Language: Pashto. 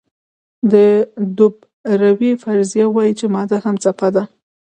د دوبروی فرضیه وایي چې ماده هم څپه ده.